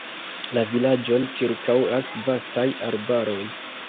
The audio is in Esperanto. La vilaĝon ĉirkaŭas vastaj arbaroj.